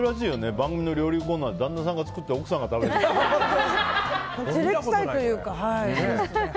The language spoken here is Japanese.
番組の料理コーナーで旦那さんが作って照れくさいというか。